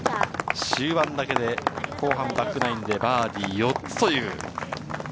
終盤だけで、後半のバックナインでバーディー４つ。